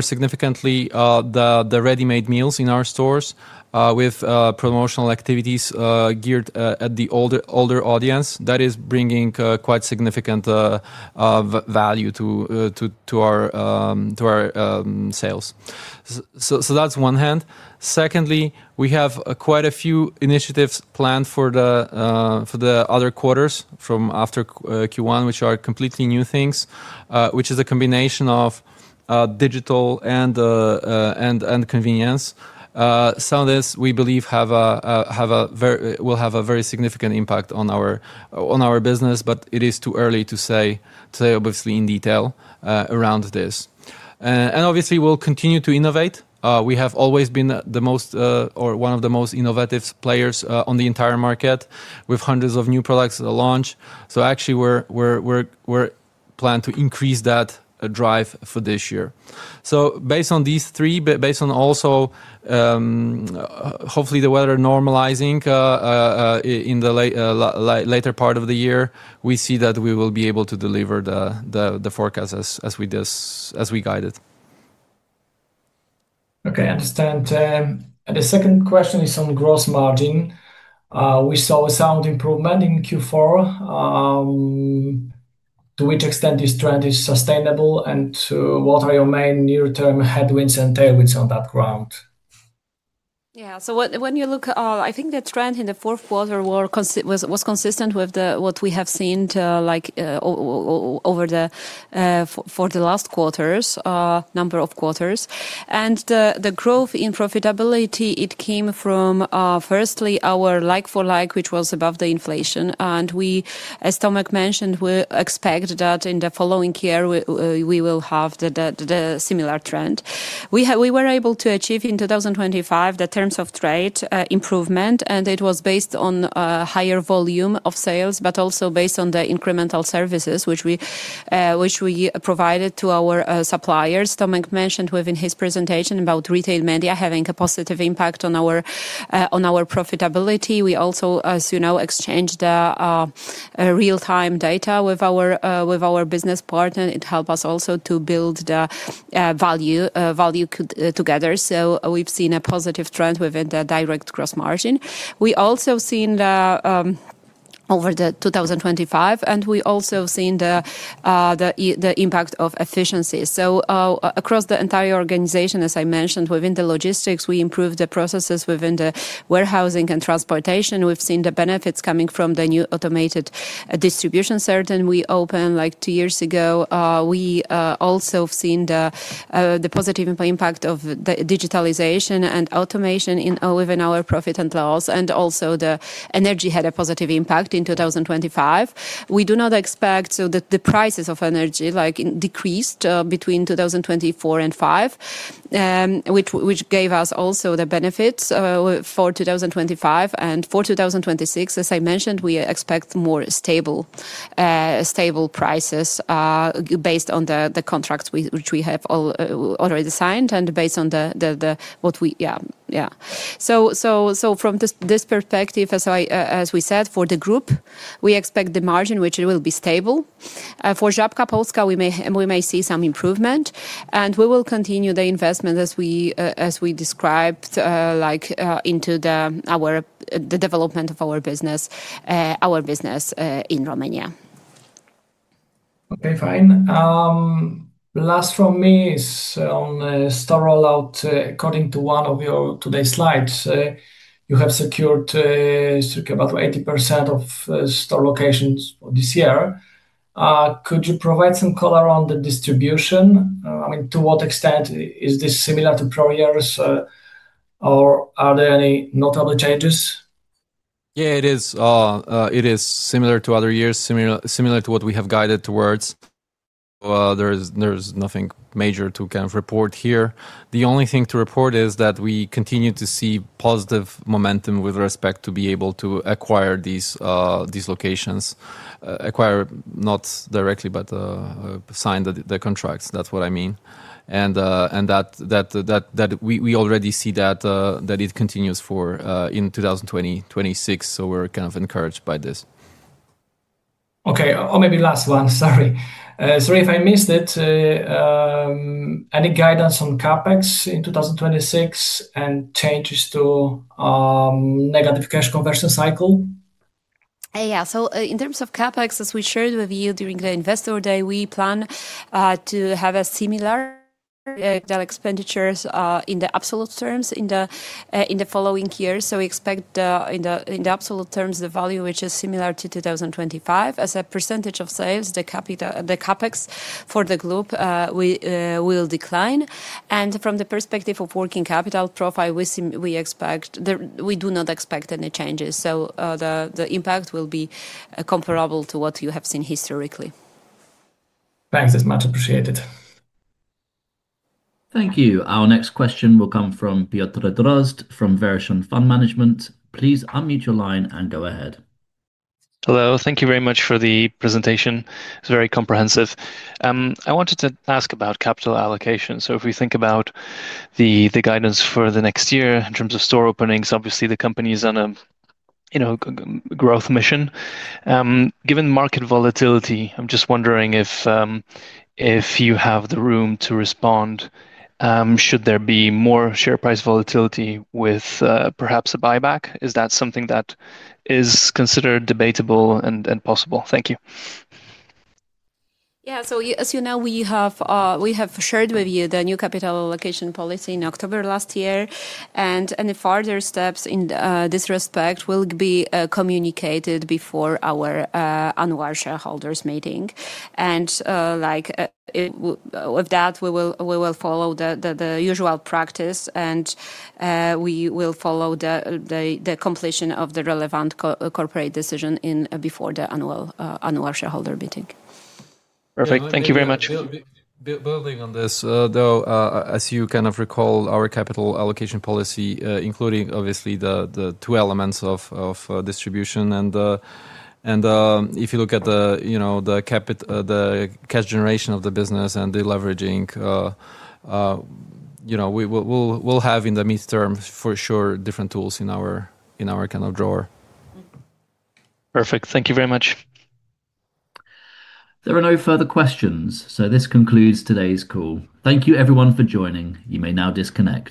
significantly the ready-made meals in our stores with promotional activities geared at the older audience. That is bringing quite significant value to our sales. That's one hand. Secondly, we have quite a few initiatives planned for the other quarters from after Q1, which are completely new things, which is a combination of digital and convenience. Some of this we believe will have a very significant impact on our business, but it is too early to say obviously in detail around this. Obviously we'll continue to innovate. We have always been the most or one of the most innovative players on the entire market with hundreds of new products at launch. Actually we plan to increase that drive for this year. Based on these three, based on also, hopefully the weather normalizing, in the later part of the year, we see that we will be able to deliver the forecast as we guided. The second question is on gross margin. We saw a sound improvement in Q4. To what extent is this trend sustainable, and what are your main near-term headwinds and tailwinds on that front? When you look, I think the trend in the fourth quarter was consistent with what we have seen, like, over the last number of quarters. The growth in profitability, it came from firstly our like-for-like, which was above the inflation. As Tomek mentioned, we expect that in the following year we will have the similar trend. We were able to achieve in 2025 the terms of trade improvement, and it was based on higher volume of sales, but also based on the incremental services which we provided to our suppliers. Tomek mentioned within his presentation about retail media having a positive impact on our profitability. We also, as you know, exchanged real-time data with our business partner. It help us also to build the value together. We've seen a positive trend within the direct gross margin. We also seen the over the 2025, and we also seen the impact of efficiencies. Across the entire organization, as I mentioned, within the logistics, we improved the processes within the warehousing and transportation. We've seen the benefits coming from the new automated distribution center we opened, like, two years ago. We also have seen the positive impact of the digitalization and automation in all of our profit and loss. Also the energy had a positive impact in 2025. We do not expect the prices of energy, like, decreased between 2024 and 2025, which gave us also the benefits for 2025. For 2026, as I mentioned, we expect more stable prices based on the contracts we have already signed. From this perspective, as we said, for the group, we expect the margin which it will be stable. For Żabka Polska, we may see some improvement, and we will continue the investment as we described, like, into the development of our business in Romania. Okay, fine. Last from me is on a store rollout. According to one of your today's slides, you have secured about 80% of store locations for this year. Could you provide some color on the distribution? I mean, to what extent is this similar to prior years, or are there any notable changes? Yeah, it is similar to other years, similar to what we have guided towards. Well, there's nothing major to kind of report here. The only thing to report is that we continue to see positive momentum with respect to be able to acquire these locations. Acquire not directly, but sign the contracts. That's what I mean. That we already see that it continues in 2026. So we're kind of encouraged by this. Okay. Maybe last one, sorry. Sorry if I missed it, any guidance on CapEx in 2026 and changes to negative cash conversion cycle? In terms of CapEx, as we shared with you during the investor day, we plan to have a similar capital expenditures in the absolute terms in the following years. We expect in the absolute terms the value which is similar to 2025. As a percentage of sales, the CapEx for the group will decline. From the perspective of working capital profile, we do not expect any changes. The impact will be comparable to what you have seen historically. Thanks. It's much appreciated. Thank you. Our next question will come from Piotr Drozd from Verition Fund Management. Please unmute your line and go ahead. Hello. Thank you very much for the presentation. It's very comprehensive. I wanted to ask about capital allocation. If we think about the guidance for the next year in terms of store openings, obviously the company is on a you know growth mission. Given market volatility, I'm just wondering if you have the room to respond should there be more share price volatility with perhaps a buyback. Is that something that is considered debatable and possible? Thank you. Yeah. So as you know, we have shared with you the new capital allocation policy in October last year, and any further steps in this respect will be communicated before our annual shareholders meeting. Like, with that, we will follow the usual practice, and we will follow the completion of the relevant corporate decision-making before the annual shareholder meeting. Perfect. Thank you very much. Building on this, though, as you kind of recall our capital allocation policy, including obviously the two elements of distribution and if you look at, you know, the cash generation of the business and the leveraging, you know, we will have in the midterm for sure different tools in our kind of drawer. Perfect. Thank you very much. There are no further questions, so this concludes today's call. Thank you everyone for joining. You may now disconnect.